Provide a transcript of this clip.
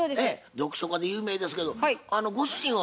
読書家で有名ですけどご主人は